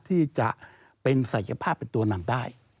ที่จะเป็นศักยภาพเป็นตัวนำได้